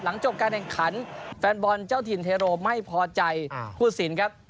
จบการแข่งขันแฟนบอลเจ้าถิ่นเทโรไม่พอใจผู้สินครับ